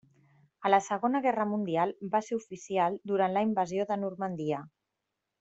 A la segona guerra mundial va ser oficial durant la invasió de Normandia.